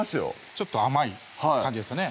ちょっと甘い感じですよね